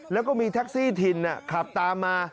แล้วก็มีแท็กซี่ถิ่นขับตามมา